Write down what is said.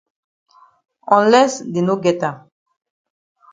Unless dey no get am.